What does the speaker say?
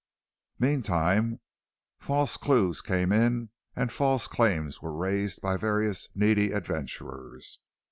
Meantime, false clues came in and false claims were raised by various needy adventurers.